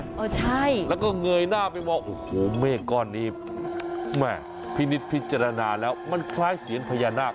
เออใช่แล้วก็เงยหน้าไปมองโอ้โหเมฆก้อนนี้แม่พินิษฐพิจารณาแล้วมันคล้ายเสียนพญานาค